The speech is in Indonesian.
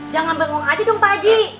jangan bingung aja dong pak haji